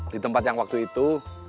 di tempat yang waktu itu